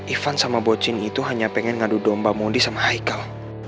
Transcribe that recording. irfan sama bocin itu hanya pengen ngadu domba modi sama haikal